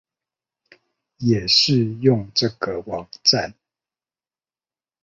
也是用這個網站